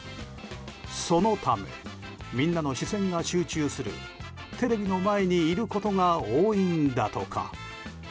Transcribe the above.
そのためみんなの視線が集中するテレビの前にいることが多いんだとか。